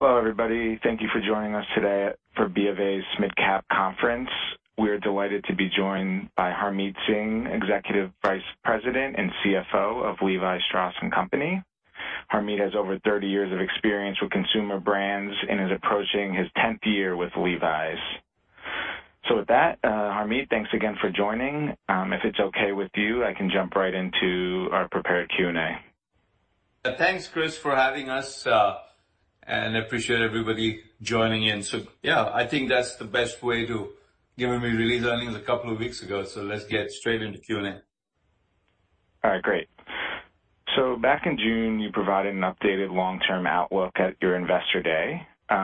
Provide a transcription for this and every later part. Hello, everybody. Thank you for joining us today for BofA's MidCap Conference. We are delighted to be joined by Harmit Singh, Executive Vice President and CFO of Levi Strauss and Company. Harmit has over 30 years of experience with consumer brands and is approaching his 10th year with Levi's. With that, Harmit, thanks again for joining. If it's okay with you, I can jump right into our prepared Q&A. Thanks, Chris, for having us, and I appreciate everybody joining in. Yeah, I think that's the best way, given our earnings release a couple of weeks ago. Let's get straight into Q&A. All right, great. Back in June, you provided an updated long-term outlook at your Investor Day,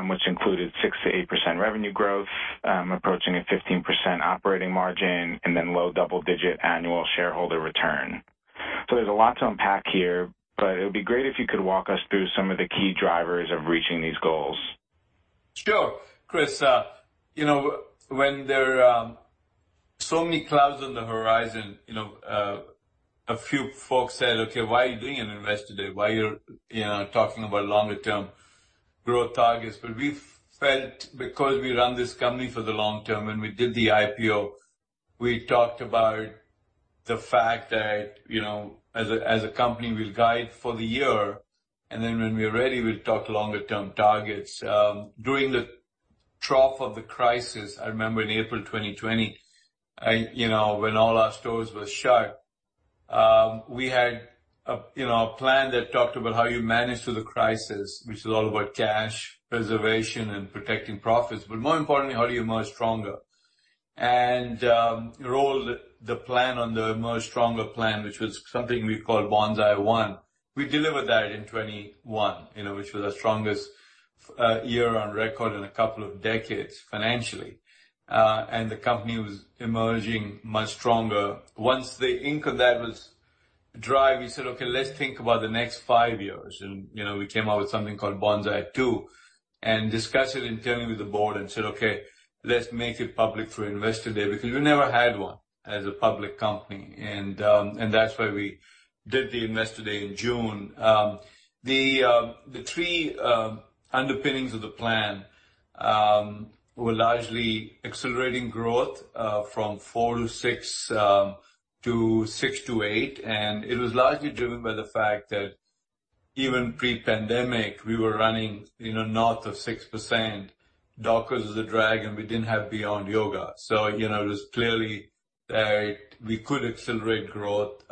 which included 6%-8% revenue growth, approaching a 15% operating margin and then low double-digit annual shareholder return. There's a lot to unpack here, but it would be great if you could walk us through some of the key drivers of reaching these goals. Sure. Chris, you know, when there are so many clouds on the horizon, you know, a few folks said, "Okay, why are you doing an Investor Day? Why are you know, talking about longer term growth targets?" We felt because we run this company for the long term, and we did the IPO, we talked about the fact that, you know, as a company, we'll guide for the year, and then when we're ready, we'll talk longer term targets. During the trough of the crisis, I remember in April 2020, you know, when all our stores were shut, we had a plan that talked about how you manage through the crisis, which is all about cash preservation and protecting profits, but more importantly, how do you emerge stronger? The plan on the emerge stronger plan, which was something we called Bonsai One, we delivered that in 2021, you know, which was our strongest year on record in a couple of decades financially. The company was emerging much stronger. Once the ink of that was dry, we said, "Okay, let's think about the next five years." We came out with something called Bonsai Two and discussed it internally with the board and said, "Okay, let's make it public for Investor Day," because we never had one as a public company. That's why we did the Investor Day in June. The three underpinnings of the plan were largely accelerating growth from 4%-6%-6%-8%. It was largely driven by the fact that even pre-pandemic, we were running, you know, north of 6%. Dockers was a drag, and we didn't have Beyond Yoga. You know, it was clearly that we could accelerate growth,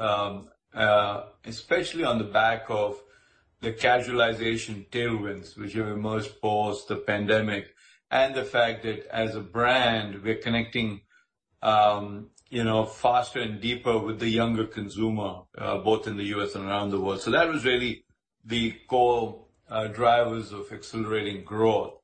especially on the back of the casualization tailwinds, which emerged post the pandemic, and the fact that as a brand, we're connecting, you know, faster and deeper with the younger consumer, both in the U.S. and around the world. That was really the core drivers of accelerating growth.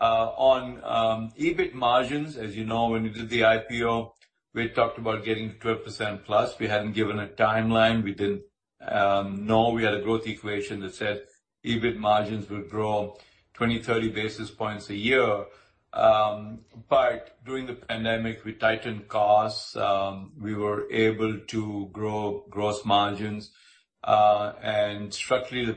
On EBIT margins, as you know, when we did the IPO, we talked about getting to 12%+. We hadn't given a timeline. We didn't know we had a growth equation that said EBIT margins would grow 20-30 basis points a year. During the pandemic, we tightened costs. We were able to grow gross margins, and structurally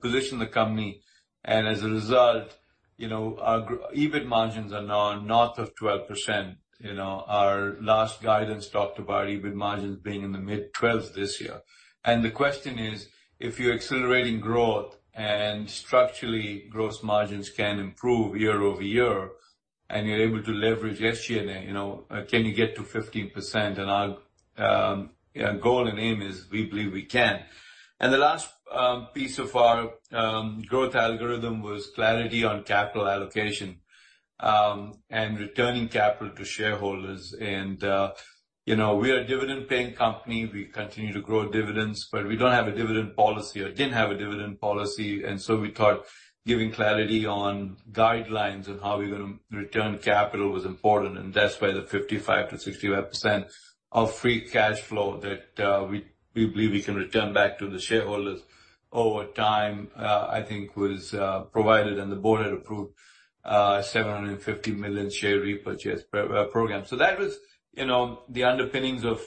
position the company. As a result, you know, our EBIT margins are now north of 12%. You know, our last guidance talked about EBIT margins being in the mid-12s this year. The question is, if you're accelerating growth and structurally gross margins can improve year-over-year, and you're able to leverage SG&A, you know, can you get to 15%? Our goal and aim is we believe we can. The last piece of our growth algorithm was clarity on capital allocation, and returning capital to shareholders. You know, we are a dividend-paying company. We continue to grow dividends, but we don't have a dividend policy or didn't have a dividend policy. We thought giving clarity on guidelines on how we're gonna return capital was important. That's why the 55%-65% of free cash flow that we believe we can return back to the shareholders over time I think was provided, and the board had approved a $750 million share repurchase program. That was, you know, the underpinnings of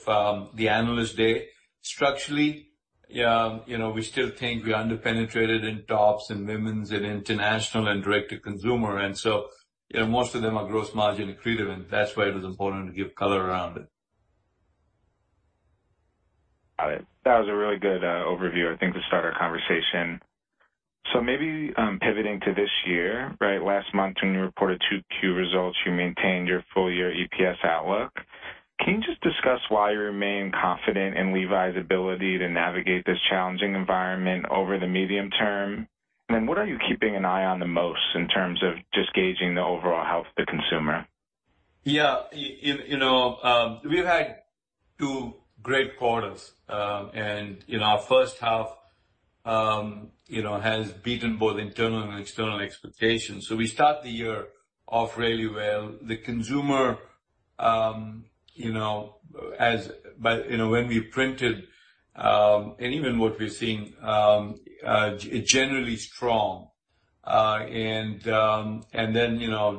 the Analyst Day. Structurally, you know, we still think we're underpenetrated in tops and women's and international and direct-to-consumer. You know, most of them are gross margin accretive, and that's why it was important to give color around it. Got it. That was a really good overview, I think, to start our conversation. Maybe pivoting to this year, right? Last month, when you reported 2Q results, you maintained your full year EPS outlook. Can you just discuss why you remain confident in Levi's ability to navigate this challenging environment over the medium term? What are you keeping an eye on the most in terms of just gauging the overall health of the consumer? Yeah. You know, we've had two great quarters. You know, our first half, you know, has beaten both internal and external expectations. We start the year off really well. The consumer, you know, as. You know, when we printed, and even what we're seeing, generally strong. You know,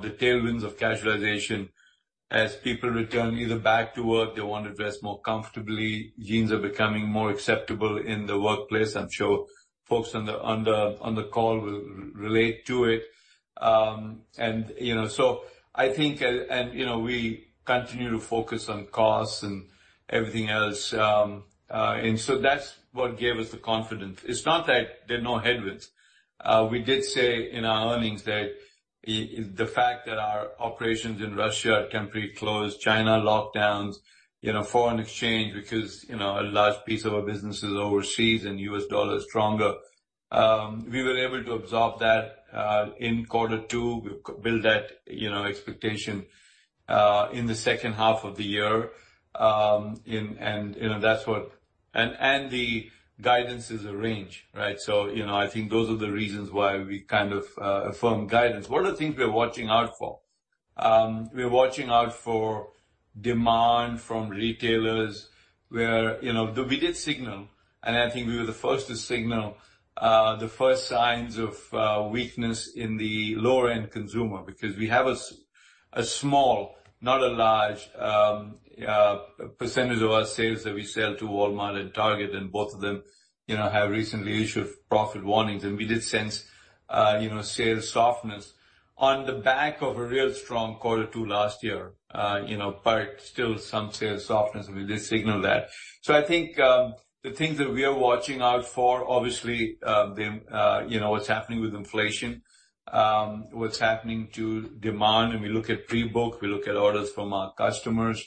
the tailwinds of casualization. As people return either back to work, they wanna dress more comfortably. Jeans are becoming more acceptable in the workplace. I'm sure folks on the call will relate to it. You know, so I think. You know, we continue to focus on costs and everything else. That's what gave us the confidence. It's not that there are no headwinds. We did say in our earnings that it. The fact that our operations in Russia are temporarily closed, China lockdowns, you know, foreign exchange, because, you know, a large piece of our business is overseas and U.S. dollar is stronger. We were able to absorb that in quarter two. We built that, you know, expectation in the second half of the year. You know, that's what the guidance is a range, right? You know, I think those are the reasons why we kind of affirm guidance. What are the things we're watching out for? We are watching out for demand from retailers where, you know, we did signal, and I think we were the first to signal the first signs of weakness in the lower-end consumer. Because we have a small, not a large, percentage of our sales that we sell to Walmart and Target, and both of them, you know, have recently issued profit warnings. We did sense, you know, sales softness on the back of a real strong quarter two last year, you know, but still some sales softness, and we did signal that. I think the things that we are watching out for, obviously, you know, what's happening with inflation, what's happening to demand. We look at prebook, we look at orders from our customers,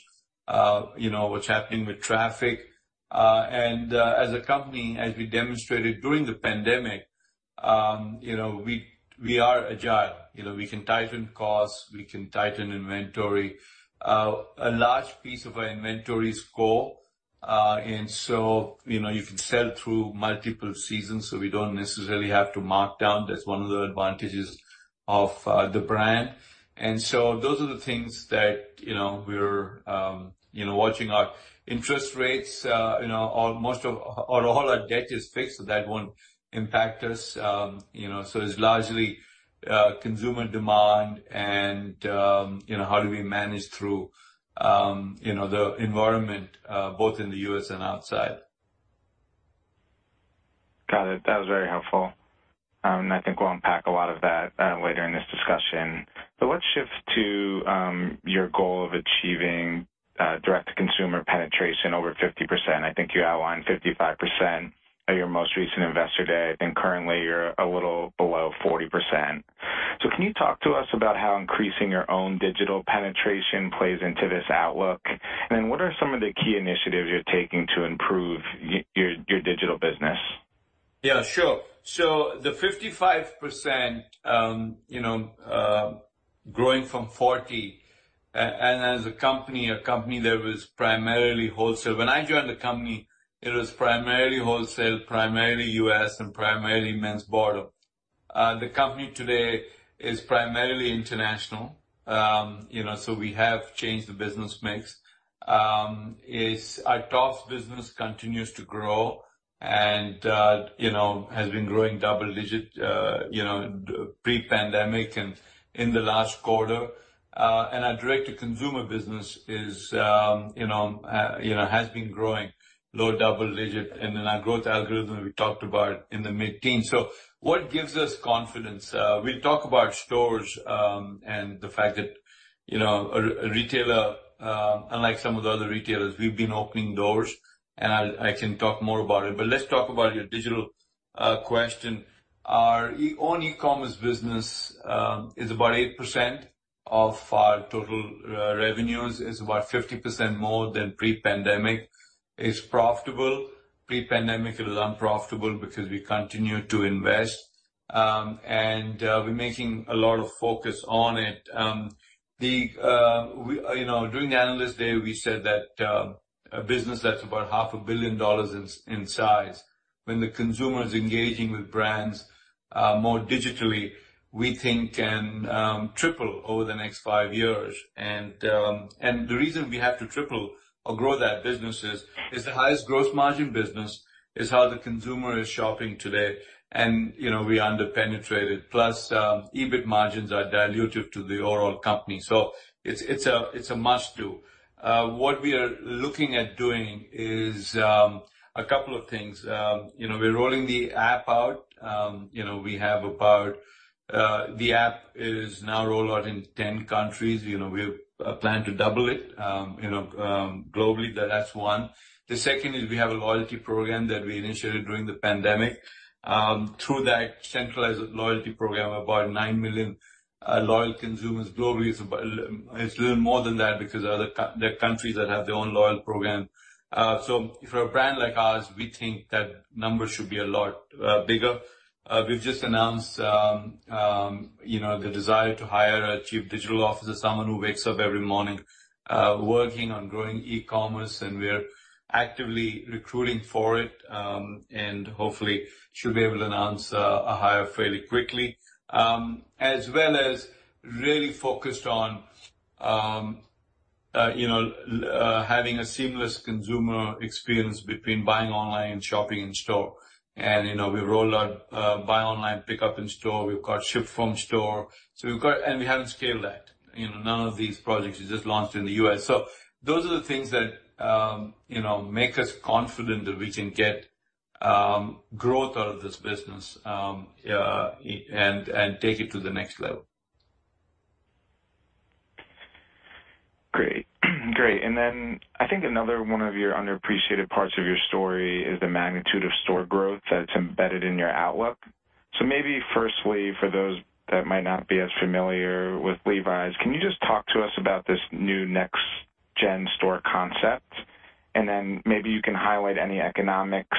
you know, what's happening with traffic. As a company, as we demonstrated during the pandemic, you know, we are agile. You know, we can tighten costs, we can tighten inventory. A large piece of our inventory is core. You know, you can sell through multiple seasons, so we don't necessarily have to mark down. That's one of the advantages of the brand. Those are the things that, you know, we're, you know, watching out. Interest rates, you know, all our debt is fixed, so that won't impact us. You know, it's largely consumer demand and, you know, how do we manage through, you know, the environment, both in the U.S. and outside. Got it. That was very helpful, and I think we'll unpack a lot of that later in this discussion. Let's shift to your goal of achieving direct-to-consumer penetration over 50%. I think you outlined 55% at your most recent Investor Day. I think currently you're a little below 404. Can you talk to us about how increasing your own digital penetration plays into this outlook? Then what are some of the key initiatives you're taking to improve your digital business? Yeah, sure. The 55%, you know, growing from 40, and as a company that was primarily wholesale. When I joined the company, it was primarily wholesale, primarily U.S., and primarily men's bottoms. The company today is primarily international. You know, we have changed the business mix. Our tops business continues to grow and, you know, has been growing double-digit, you know, pre-pandemic and in the last quarter. And our direct-to-consumer business is, you know, has been growing low double-digit. Then our growth algorithm we talked about in the mid-teens. What gives us confidence? We'll talk about stores, and the fact that, you know, a retailer, unlike some of the other retailers, we've been opening doors, and I can talk more about it. Let's talk about your digital question. Our own e-commerce business is about 8% of our total revenues. It's about 50% more than pre-pandemic. It's profitable. Pre-pandemic it was unprofitable because we continued to invest. We're making a lot of focus on it. We, you know, during Analyst Day, we said that a business that's about $500 million in size, when the consumer is engaging with brands more digitally, we think can triple over the next five years. The reason we have to triple or grow that business is, it's the highest gross margin business, it's how the consumer is shopping today, and, you know, we're under-penetrated. Plus, EBIT margins are dilutive to the overall company. It's a must-do. What we are looking at doing is a couple of things. You know, we're rolling the app out. You know, we have about the app is now rolled out in 10 countries. You know, we have a plan to double it globally. That's one. The second is we have a loyalty program that we initiated during the pandemic. Through that centralized loyalty program, about $9 million loyal consumers globally. It's a little more than that because there are countries that have their own loyalty program. So for a brand like ours, we think that number should be a lot bigger. We've just announced, you know, the desire to hire a chief digital officer, someone who wakes up every morning, working on growing e-commerce, and we're actively recruiting for it, and hopefully should be able to announce a hire fairly quickly. As well as really focused on, you know, having a seamless consumer experience between buying online and shopping in store. You know, we rolled out buy online, pick up in store. We've got ship from store. We've got. We haven't scaled that. You know, none of these projects we just launched in the U.S. Those are the things that, you know, make us confident that we can get growth out of this business, and take it to the next level. Great. I think another one of your underappreciated parts of your story is the magnitude of store growth that's embedded in your outlook. Maybe firstly, for those that might not be as familiar with Levi's, can you just talk to us about this new next gen store concept? Maybe you can highlight any economics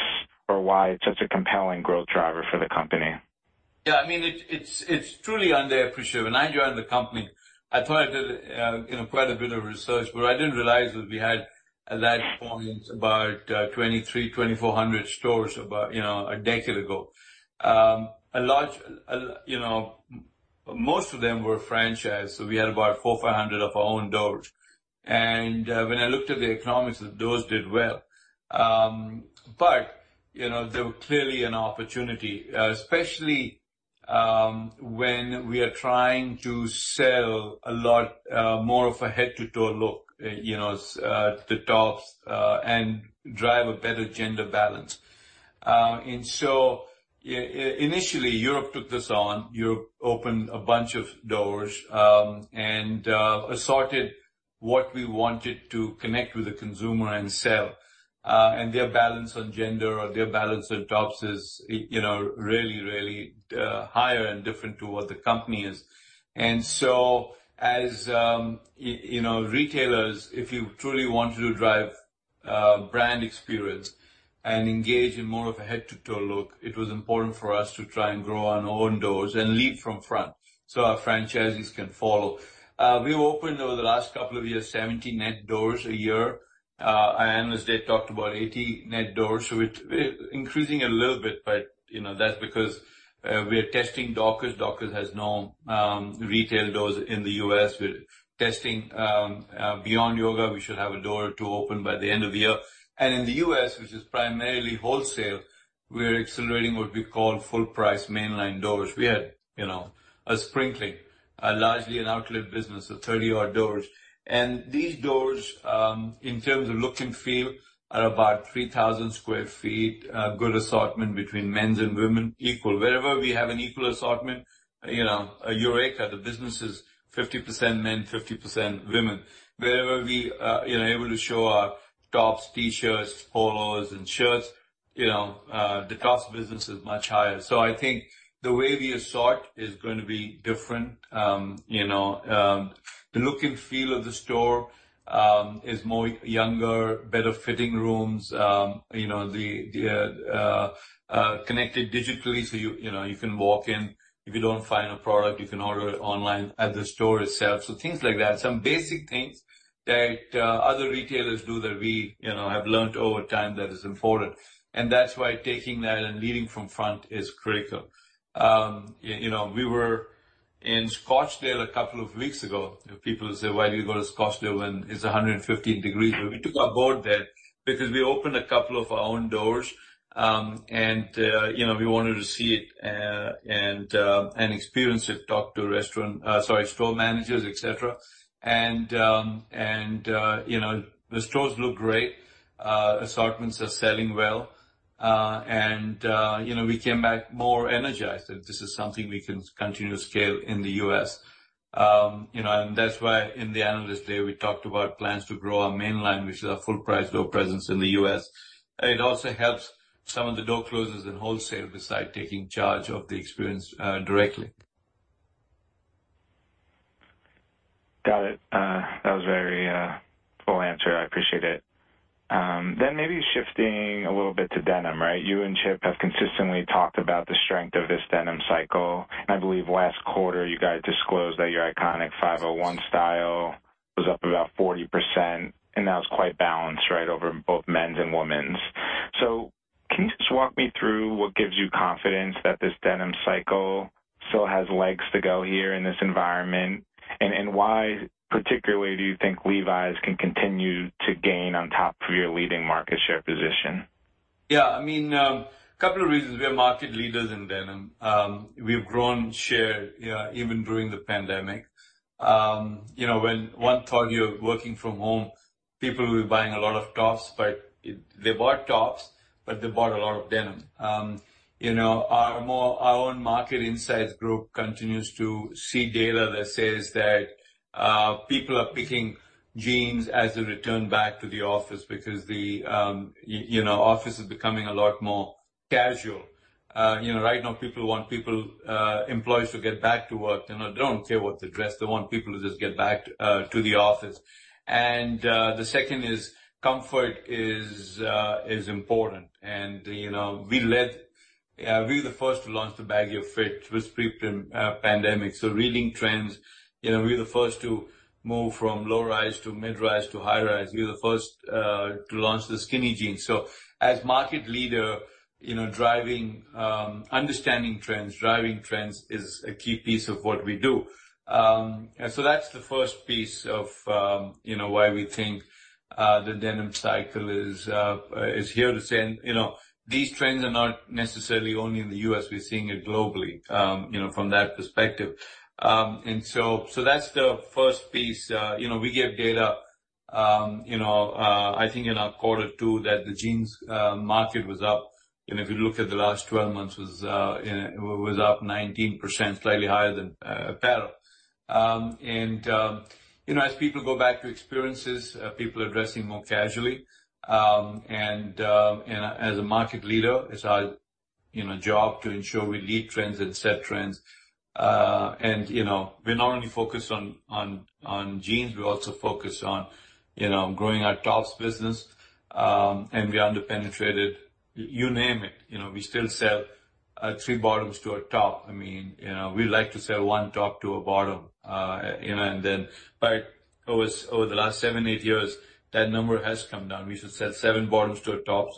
or why it's such a compelling growth driver for the company. Yeah, I mean, it's truly underappreciated. When I joined the company, I thought I did you know quite a bit of research, but I didn't realize that we had at that point about 2,300-2,400 stores about you know a decade ago. You know, most of them were franchised, so we had about 400-500 of our own doors. When I looked at the economics, those did well. You know, there were clearly a opportunity, especially when we are trying to sell a lot more of a head-to-toe look. You know the tops and drive a better gender balance. Initially, Europe took this on. Europe opened a bunch of doors and sorted what we wanted to connect with the consumer and sell. Their balance on gender or their balance on tops is, you know, really higher and different to what the company is. As you know, retailers, if you truly want to drive brand experience and engage in more of a head-to-toe look, it was important for us to try and grow our own doors and lead from front so our franchisees can follow. We opened over the last couple of years, 70 net doors a year. Our Analyst Day talked about 80 net doors, so it's increasing a little bit, but, you know, that's because we're testing Dockers. Dockers has no retail doors in the U.S. We're testing Beyond Yoga. We should have a door or two open by the end of the year. In the U.S., which is primarily wholesale, we're accelerating what we call full price mainline doors. We had, you know, a sprinkling, largely an outlet business of 30-odd doors. These doors, in terms of look and feel, are about 3,000 sq ft, a good assortment between men's and women, equal. Wherever we have an equal assortment, you know, eureka, the business is 50% men, 50% women. Wherever we are, you know, able to show our tops, T-shirts, polos, and shirts, you know, the tops business is much higher. I think the way we assort is going to be different. You know, the look and feel of the store is more younger, better fitting rooms, you know, the connected digitally. You know, you can walk in. If you don't find a product, you can order it online at the store itself. Things like that. Some basic things that other retailers do that we, you know, have learned over time that is important. That's why taking that and leading from the front is critical. You know, we were in Scottsdale a couple of weeks ago. People say, "Why do you go to Scottsdale when it's 115 degrees?" We took our board there because we opened a couple of our own doors, and you know, we wanted to see it and experience it, talk to store managers, et cetera. You know, the stores look great. Assortments are selling well. You know, we came back more energized that this is something we can continue to scale in the U.S. You know, that's why in the Analyst Day, we talked about plans to grow our mainline, which is our full price door presence in the U.S. It also helps some of the door closures in wholesale besides taking charge of the experience, directly. Got it. That was a very full answer. I appreciate it. Maybe shifting a little bit to denim, right? You and Chip have consistently talked about the strength of this denim cycle. I believe last quarter you guys disclosed that your iconic 501 style was up about 40%, and that was quite balanced, right, over both men's and women's. Can you just walk me through what gives you confidence that this denim cycle still has legs to go here in this environment? Why particularly do you think Levi's can continue to gain on top of your leading market share position? Yeah. I mean, a couple of reasons. We are market leaders in denim. We've grown share even during the pandemic. You know, when one thought you're working from home, people were buying a lot of tops, but they bought tops, but they bought a lot of denim. You know, our own market insights group continues to see data that says that, people are picking jeans as they return back to the office because the, you know, office is becoming a lot more casual. You know, right now people want people, employees to get back to work. You know, they don't care what they dress. They want people to just get back to the office. The second is comfort is important. Yeah, we were the first to launch the Baggy Fit. It was pre-pandemic. Reading trends, you know, we were the first to move from low-rise to mid-rise to high-rise. We were the first to launch the skinny jeans. As market leader, you know, driving understanding trends, driving trends is a key piece of what we do. That's the first piece of you know, why we think the denim cycle is here to stay. You know, these trends are not necessarily only in the U.S., we're seeing it globally, you know, from that perspective. That's the first piece. You know, we gave data, you know, I think in our quarter two that the jeans market was up. If you look at the last 12 months, you know, it was up 19%, slightly higher than apparel. As people go back to experiences, people are dressing more casually. As a market leader, it's our, you know, job to ensure we lead trends and set trends. You know, we're not only focused on jeans, we also focus on, you know, growing our tops business, and we underpenetrated, you name it. You know, we still sell three bottoms to a top. I mean, you know, we like to sell one top to a bottom. You know, but over the last seven-eight years, that number has come down. We used to sell seven bottoms to a top.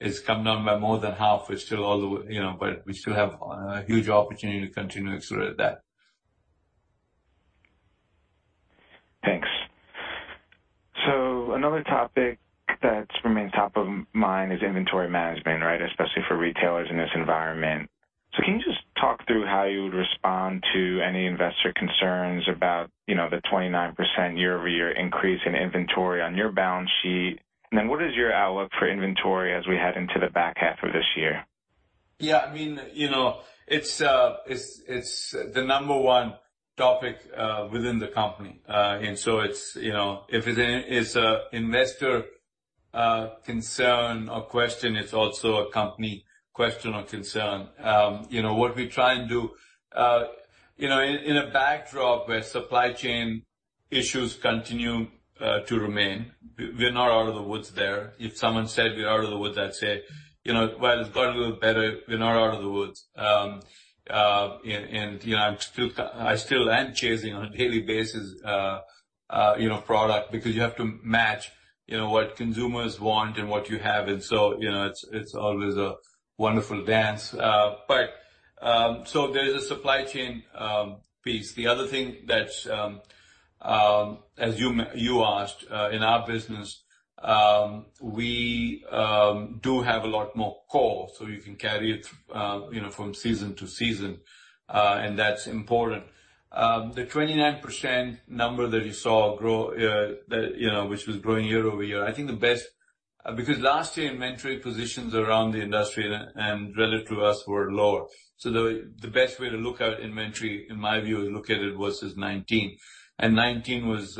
It's come down by more than half. You know, but we still have huge opportunity to continue to accelerate that. Thanks. Another topic that remains top of mind is inventory management, right? Especially for retailers in this environment. Can you just talk through how you would respond to any investor concerns about, you know, the 29% year-over-year increase in inventory on your balance sheet? And then what is your outlook for inventory as we head into the back half of this year? Yeah, I mean, you know, it's the number one topic within the company. It's you know, if it is, it's an investor concern or question, it's also a company question or concern. You know, what we try and do you know, in a backdrop where supply chain issues continue to remain, we're not out of the woods there. If someone said, we are out of the woods, I'd say, you know, while it's gotten a little better, we're not out of the woods. You know, I'm still I still am chasing on a daily basis you know, product because you have to match, you know, what consumers want and what you have. You know, it's always a wonderful dance. There's a supply chain piece. The other thing that as you asked in our business we do have a lot more core so you can carry it you know from season to season and that's important. The 29% number that you saw grow that you know which was growing year-over-year I think the best, because last year inventory positions around the industry and relative to us were lower. The best way to look at inventory in my view is look at it versus 2019. 2019 was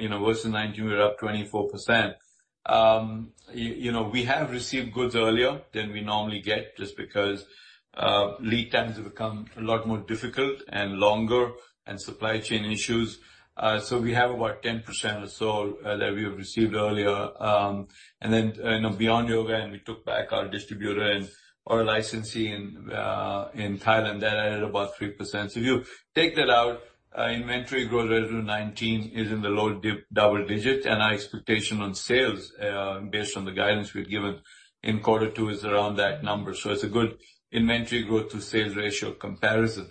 you know versus 2019 we're up 24%. You know we have received goods earlier than we normally get just because lead times have become a lot more difficult and longer and supply chain issues. We have about 10% or so that we have received earlier. You know, Beyond Yoga and we took back our distributor and our licensee in Thailand that added about 3%. If you take that out, inventory growth relative to 2019 is in the low double-digit. Our expectation on sales based on the guidance we've given in quarter two is around that number. It's a good inventory growth to sales ratio comparison.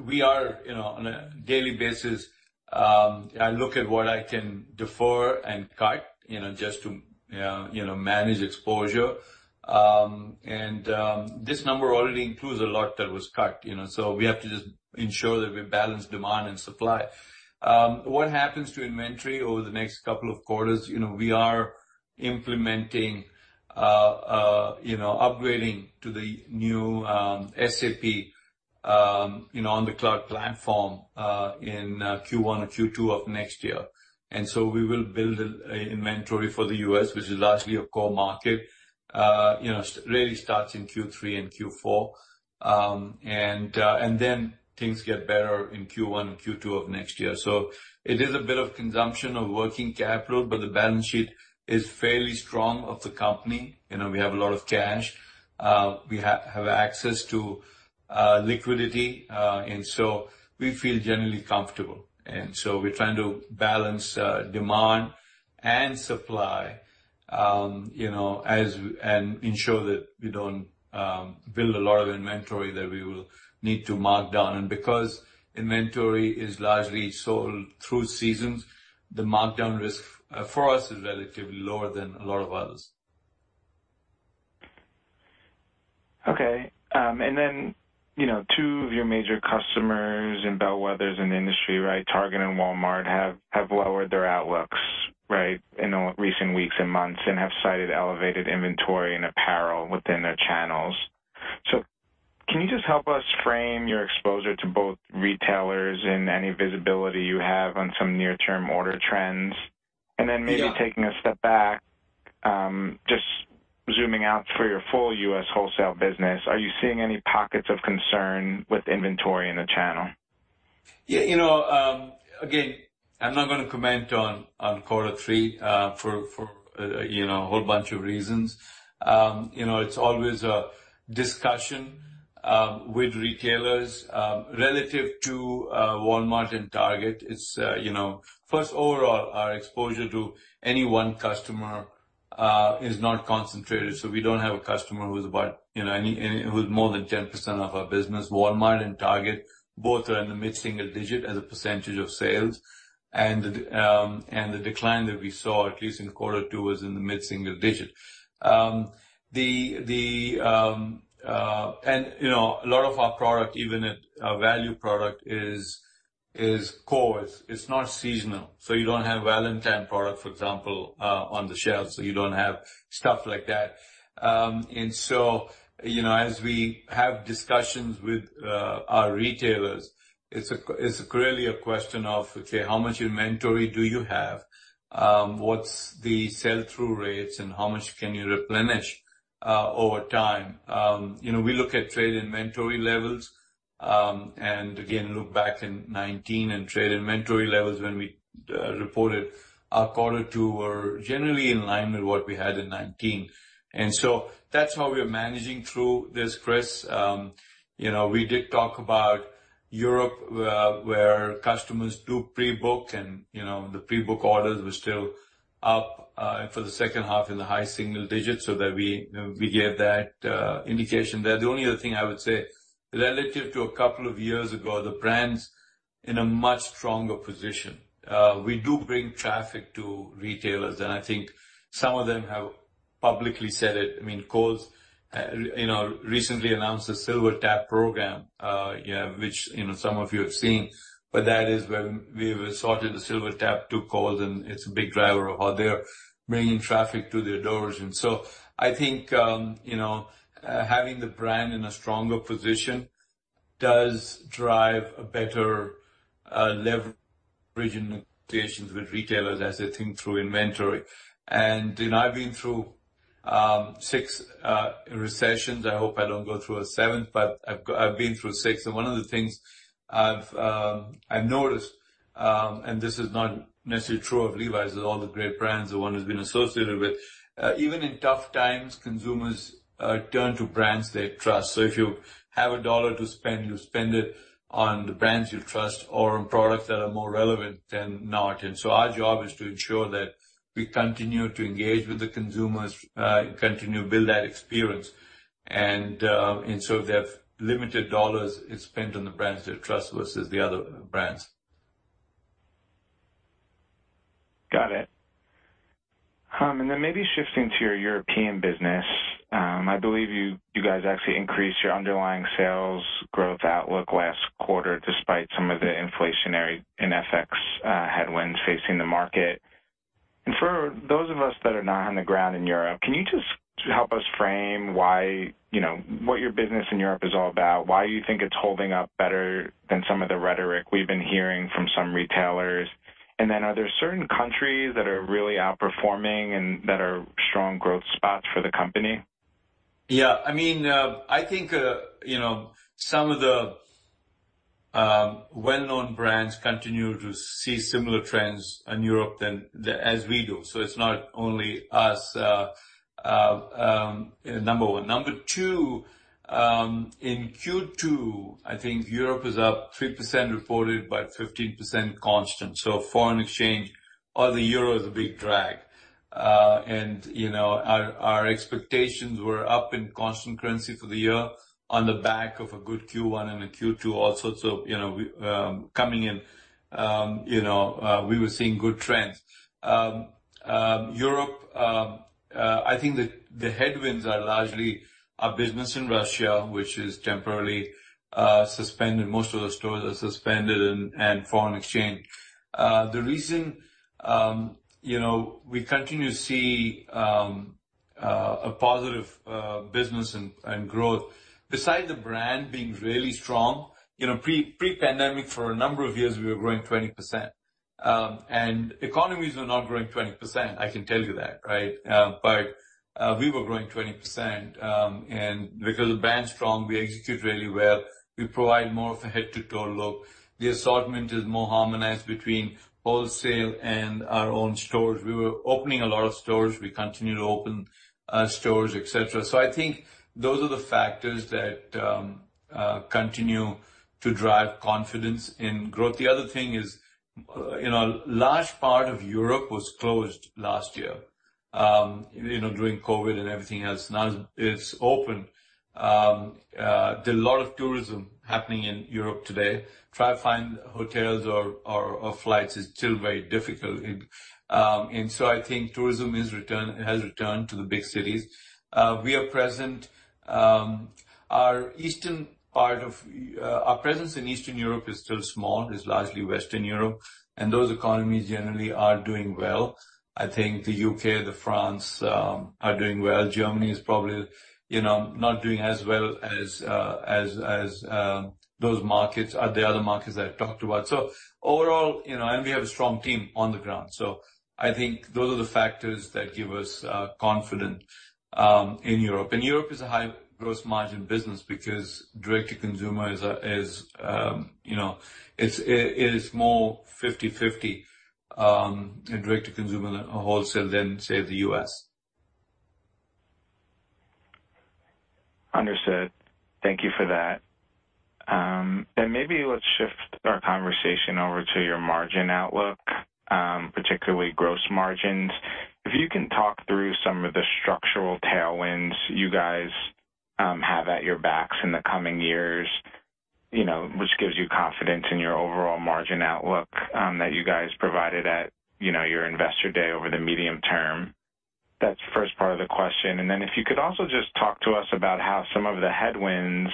We are, you know, on a daily basis, I look at what I can defer and cut, you know, just to manage exposure. This number already includes a lot that was cut, you know, so we have to just ensure that we balance demand and supply. What happens to inventory over the next couple of quarters, you know, we are implementing, you know, upgrading to the new SAP, you know, on the cloud platform, in Q1 or Q2 of next year. We will build a inventory for the U.S., which is largely a core market, you know, so really starts in Q3 and Q4. Then things get better in Q1 and Q2 of next year. It is a bit of consumption of working capital, but the balance sheet is fairly strong of the company. You know, we have a lot of cash. We have access to liquidity, and so we feel generally comfortable. We're trying to balance demand and supply, you know, as and ensure that we don't build a lot of inventory that we will need to mark down. Because inventory is largely sold through seasons, the markdown risk for us is relatively lower than a lot of others. Okay. You know, two of your major customers and bellwethers in the industry, right? Target and Walmart have lowered their outlooks right, in the recent weeks and months and have cited elevated inventory and apparel within their channels. Can you just help us frame your exposure to both retailers and any visibility you have on some near term order trends? Yeah. Maybe taking a step back, just zooming out for your full U.S. wholesale business, are you seeing any pockets of concern with inventory in the channel? Yeah, you know, again, I'm not gonna comment on quarter three for you know, a whole bunch of reasons. You know, it's always a discussion with retailers relative to Walmart and Target. It's, you know, first, overall, our exposure to any one customer is not concentrated, so we don't have a customer who's about, you know, who's more than 10% of our business. Walmart and Target both are in the mid-single digit as a percentage of sales. The decline that we saw, at least in quarter two, was in the mid-single digit. You know, a lot of our product, even at value product is core. It's not seasonal, so you don't have Valentine product, for example, on the shelves, so you don't have stuff like that. You know, as we have discussions with our retailers, it's clearly a question of, okay, how much inventory do you have? What's the sell-through rates, and how much can you replenish over time? You know, we look at trade inventory levels, and again, look back in 2019, and trade inventory levels when we reported our quarter two were generally in line with what we had in 2019. That's how we are managing through this, Chris. You know, we did talk about Europe, where customers do pre-book and, you know, the pre-book orders were still up for the second half in the high single digits, so that we gave that indication. The only other thing I would say, relative to a couple of years ago, the brand's in a much stronger position. We do bring traffic to retailers, and I think some of them have publicly said it. I mean, Kohl's, you know, recently announced a SilverTab program, which, you know, some of you have seen. That is when we've assorted the SilverTab to Kohl's, and it's a big driver of how they are bringing traffic to their doors. I think, you know, having the brand in a stronger position does drive a better leverage in negotiations with retailers as they think through inventory. You know, I've been through six recessions. I hope I don't go through a seventh, but I've been through six. One of the things I've noticed, and this is not necessarily true of Levi's with all the great brands, the one who's been associated with, even in tough times, consumers turn to brands they trust. If you have a dollar to spend, you spend it on the brands you trust or on products that are more relevant than not. Our job is to ensure that we continue to engage with the consumers and continue to build that experience. If they have limited dollars, it's spent on the brands they trust versus the other brands. Got it. Maybe shifting to your European business. I believe you guys actually increased your underlying sales growth outlook last quarter despite some of the inflationary and FX headwinds facing the market. For those of us that are not on the ground in Europe, can you just help us frame why, you know, what your business in Europe is all about? Why you think it's holding up better than some of the rhetoric we've been hearing from some retailers? Are there certain countries that are really outperforming and that are strong growth spots for the company? Yeah. I mean, I think, you know, some of the well-known brands continue to see similar trends in Europe as we do. It's not only us, number one. Number two, in Q2, I think Europe is up 3% reported, but 15% constant. Foreign exchange or the euro is a big drag. You know, our expectations were up in constant currency for the year on the back of a good Q1 and a Q2 also. You know, coming in, you know, we were seeing good trends. Europe, I think the headwinds are largely our business in Russia, which is temporarily suspended. Most of the stores are suspended and foreign exchange. The reason, you know, we continue to see a positive business and growth, besides the brand being really strong. You know, pre-pandemic, for a number of years, we were growing 20%. Economies were not growing 20%, I can tell you that, right? We were growing 20%, and because the brand's strong, we execute really well. We provide more of a head-to-toe look. The assortment is more harmonized between wholesale and our own stores. We were opening a lot of stores. We continue to open stores, et cetera. I think those are the factors that continue to drive confidence in growth. The other thing is, you know, a large part of Europe was closed last year, you know, during COVID and everything else. Now it's open. There are a lot of tourism happening in Europe today. Trying to find hotels or flights is still very difficult. I think tourism has returned to the big cities. Our presence in Eastern Europe is still small. It's largely Western Europe, and those economies generally are doing well. I think the U.K., France, are doing well. Germany is probably, you know, not doing as well as those markets or the other markets I've talked about. Overall, you know, we have a strong team on the ground. I think those are the factors that give us confidence in Europe. Europe is a high gross margin business because direct to consumer is, you know, it is more 50-50 in direct to consumer wholesale than, say, the U.S. Understood. Thank you for that. Then maybe let's shift our conversation over to your margin outlook, particularly gross margins. If you can talk through some of the structural tailwinds you guys have at your backs in the coming years, you know, which gives you confidence in your overall margin outlook, that you guys provided at, you know, your investor day over the medium term. That's the first part of the question. Then if you could also just talk to us about how some of the headwinds,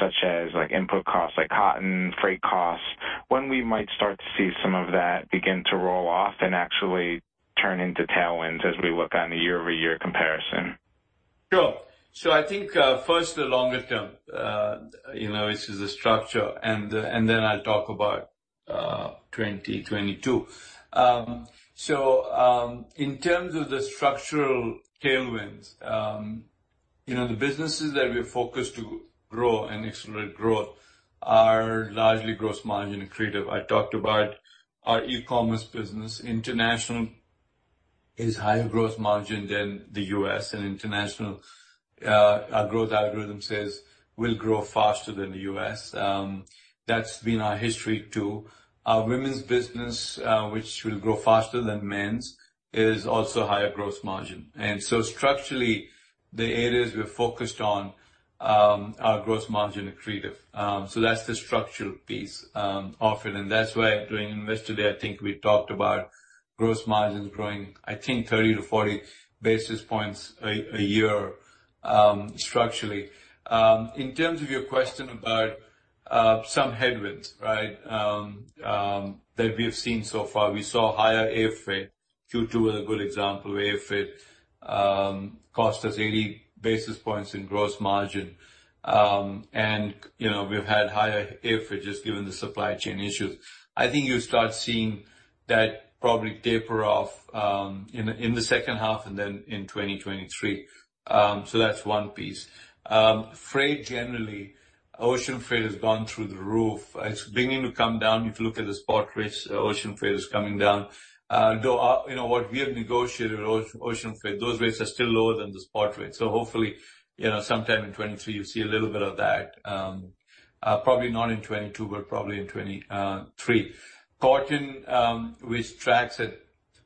such as, like, input costs, like cotton, freight costs, when we might start to see some of that begin to roll off and actually turn into tailwinds as we look on a year-over-year comparison. Sure. I think first, the longer term, you know, this is a structure, and then I'll talk about 2022. In terms of the structural tailwinds, you know, the businesses that we're focused to grow and accelerate growth are largely gross margin accretive. I talked about our e-commerce business. International is higher gross margin than the U.S. International, our growth algorithm says will grow faster than the U.S. That's been our history too. Our women's business, which will grow faster than men's, is also higher gross margin. Structurally, the areas we're focused on are gross margin accretive. That's the structural piece offered. That's why during Investor Day, I think we talked about gross margins growing, I think 30-40 basis points a year, structurally. In terms of your question about some headwinds, right, that we've seen so far. We saw higher air freight. Q2 was a good example. Air freight cost us 80 basis points in gross margin. You know, we've had higher air freights just given the supply chain issues. I think you'll start seeing that probably taper off in the second half and then in 2023. So that's one piece. Freight generally. Ocean freight has gone through the roof. It's beginning to come down. If you look at the spot rates, ocean freight is coming down. Though, you know, what we have negotiated with ocean freight, those rates are still lower than the spot rate. So hopefully, you know, sometime in 2023 you'll see a little bit of that. Probably not in 2022, but probably in 2023. Cotton, which tracks at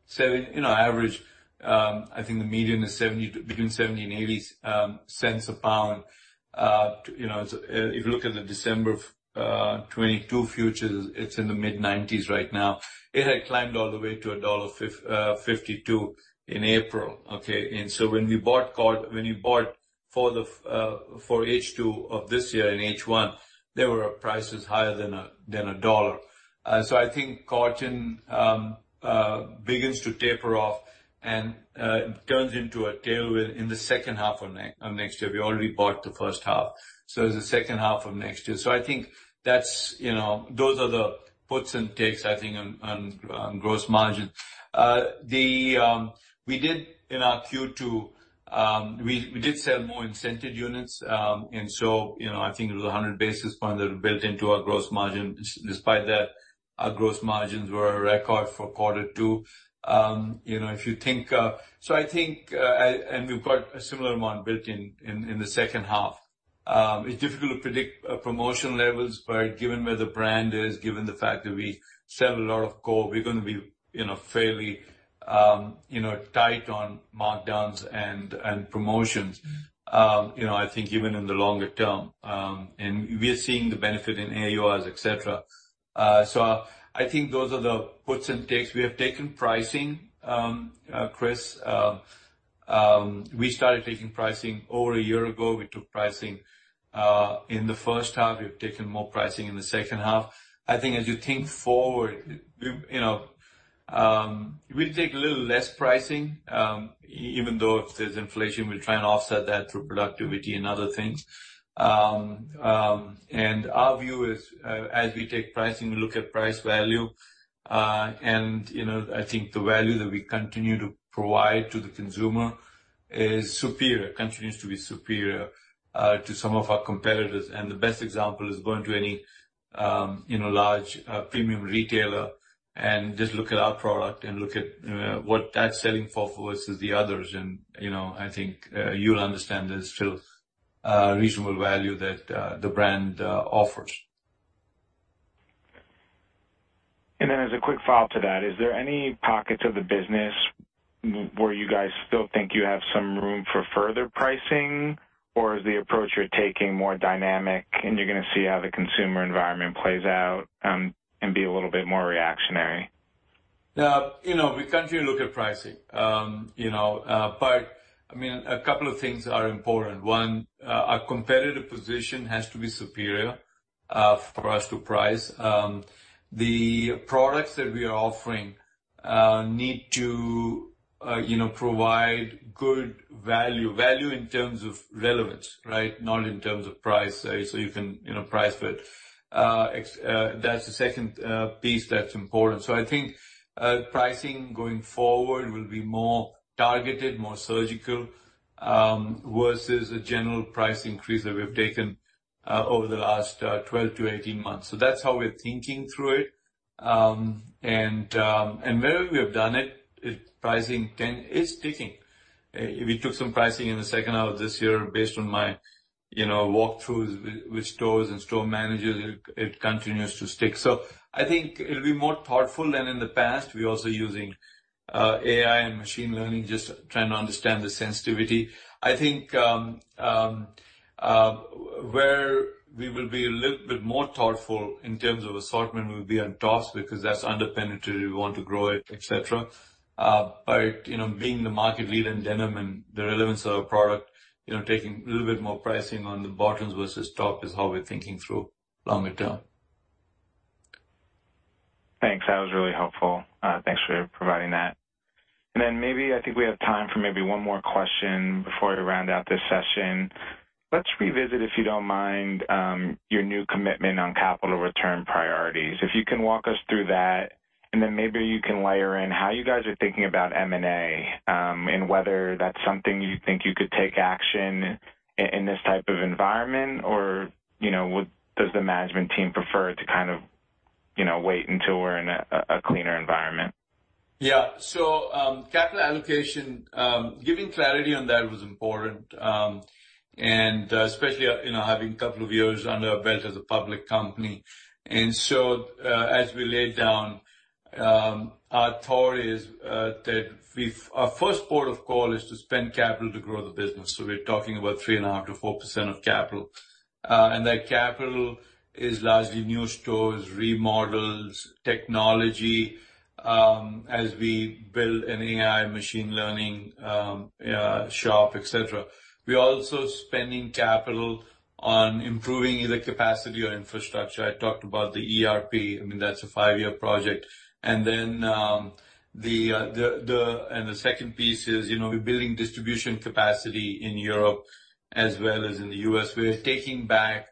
70. On average, I think the median is between $0.70 and $0.80 a pound. If you look at the December 2022 futures, it's in the mid-90s right now. It had climbed all the way to $1.52 in April, okay. When you bought for the H2 of this year and H1, there were prices higher than $1. I think cotton begins to taper off and turns into a tailwind in the second half of next year. We already bought the first half, so it's the second half of next year. I think that's. Those are the puts and takes, I think, on gross margin. We did in our Q2 sell more off-price units. You know, I think it was 100 basis points that are built into our gross margin. Despite that, our gross margins were a record for quarter two. I think and we've got a similar amount built in in the second half. It's difficult to predict promotion levels, but given where the brand is, given the fact that we sell a lot of core, we're gonna be, you know, fairly, you know, tight on markdowns and promotions, you know, I think even in the longer term. We are seeing the benefit in AURs, et cetera. I think those are the puts and takes. We have taken pricing, Chris. We started taking pricing over a year ago. We took pricing in the first half. We've taken more pricing in the second half. I think as you think forward, we've, you know, we'll take a little less pricing, even though if there's inflation, we'll try and offset that through productivity and other things. Our view is, as we take pricing, we look at price value. You know, I think the value that we continue to provide to the consumer is superior, continues to be superior, to some of our competitors. The best example is go into any, you know, large, premium retailer and just look at our product and look at what that's selling for versus the others. You know, I think you'll understand there's still a reasonable value that the brand offers. As a quick follow-up to that, is there any pockets of the business where you guys still think you have some room for further pricing? Or is the approach you're taking more dynamic, and you're gonna see how the consumer environment plays out, and be a little bit more reactionary? You know, we continue to look at pricing. You know, I mean, a couple of things are important. One, our competitive position has to be superior for us to price. The products that we are offering, you know, provide good value. Value in terms of relevance, right? Not in terms of price, so you can, you know, price for it. That's the second piece that's important. I think pricing going forward will be more targeted, more surgical versus a general price increase that we've taken over the last 12-18 months. That's how we're thinking through it. Where we have done it's sticking. We took some pricing in the second half of this year based on my, you know, walkthroughs with stores and store managers. It continues to stick. I think it'll be more thoughtful than in the past. We're also using AI and machine learning, just trying to understand the sensitivity. I think where we will be a little bit more thoughtful in terms of assortment will be on tops because that's under-penetrated, we want to grow it, et cetera. You know, being the market leader in denim and the relevance of our product, you know, taking a little bit more pricing on the bottoms versus top is how we're thinking through longer term. Thanks. That was really helpful. Thanks for providing that. Maybe I think we have time for maybe one more question before we round out this session. Let's revisit, if you don't mind, your new commitment on capital return priorities. If you can walk us through that, and then maybe you can layer in how you guys are thinking about M&A, and whether that's something you think you could take action in this type of environment. Or, you know, does the management team prefer to kind of, you know, wait until we're in a cleaner environment? Yeah, capital allocation, giving clarity on that was important, and especially, you know, having a couple of years under our belt as a public company. As we laid down, our thought is, our first port of call is to spend capital to grow the business. We're talking about 3.5%-4% of capital. And that capital is largely new stores, remodels, technology, as we build an AI machine learning shop, et cetera. We're also spending capital on improving either capacity or infrastructure. I talked about the ERP. I mean, that's a five-year project. The second piece is, you know, we're building distribution capacity in Europe as well as in the U.S. We're taking back,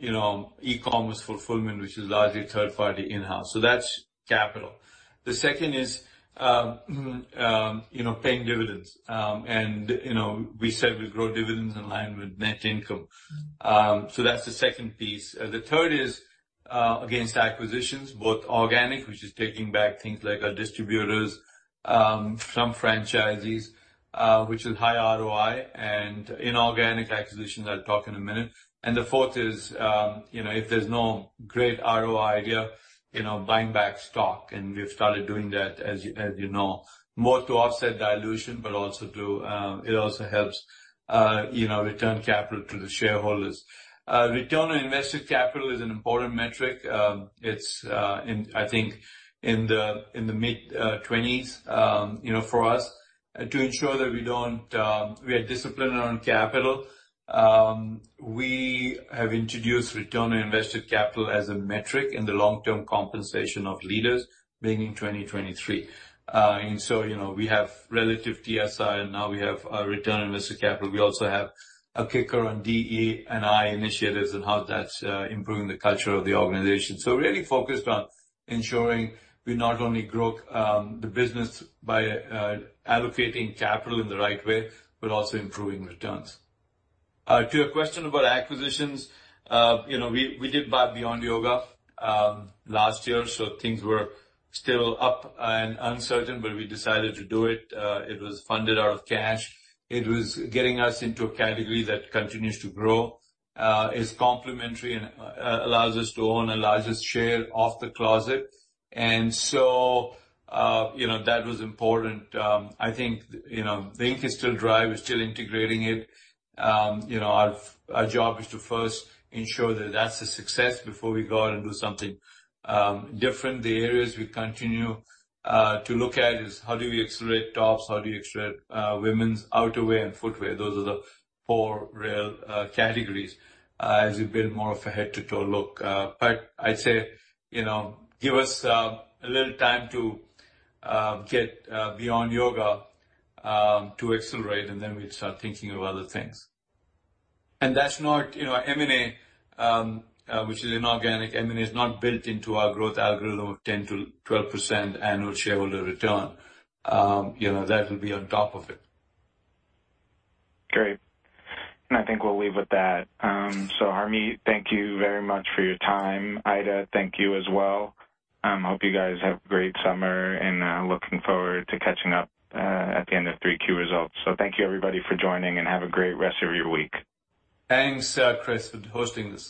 you know, e-commerce fulfillment, which is largely third party in-house. That's capital. The second is, you know, paying dividends. You know, we said we'd grow dividends in line with net income. That's the second piece. The third is, again, it's acquisitions, both organic, which is taking back things like our distributors, some franchisees, which is high ROI, and inorganic acquisitions that I'll talk in a minute. The fourth is, you know, if there's no great ROI idea, you know, buying back stock, and we've started doing that, as you know, more to offset dilution, but also to, it also helps, you know, return capital to the shareholders. Return on invested capital is an important metric. It's in the mid-20s, you know, for us. To ensure that we are disciplined around capital, we have introduced return on invested capital as a metric in the long-term compensation of leaders beginning 2023. You know, we have relative TSR, and now we have our return on invested capital. We also have a kicker on DE&I initiatives and how that's improving the culture of the organization. We're really focused on ensuring we not only grow the business by allocating capital in the right way, but also improving returns. To your question about acquisitions, you know, we did buy Beyond Yoga last year, so things were still up and uncertain, but we decided to do it. It was funded out of cash. It was getting us into a category that continues to grow, is complementary and allows us to own a larger share of the closet. You know, that was important. I think, you know, the ink is still dry. We're still integrating it. Our job is to first ensure that that's a success before we go out and do something different. The areas we continue to look at is how do we accelerate tops, how do you accelerate women's outerwear and footwear. Those are the four real categories as we build more of a head-to-toe look. I'd say, you know, give us a little time to get Beyond Yoga to accelerate, and then we'll start thinking of other things. That's not, you know, M&A, which is inorganic. M&A is not built into our growth algorithm of 10%-12% annual shareholder return. You know, that will be on top of it. Great. I think we'll leave with that. Harmeet, thank you very much for your time. Aida, thank you as well. Hope you guys have a great summer, and looking forward to catching up at the end of 3Q results. Thank you, everybody, for joining, and have a great rest of your week. Thanks, Chris, for hosting this.